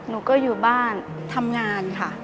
หนูก็อยู่บ้านทำงานค่ะ